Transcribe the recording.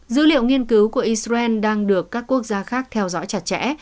dữ liệu nghiên cứu của israel đang được các quốc gia khác theo dõi chặt chẽ